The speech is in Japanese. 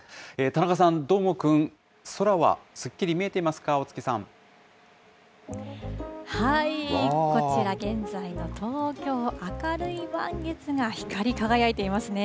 田中さん、どーもくん、空はすっこちら、現在の東京、明るい満月が光り輝いていますね。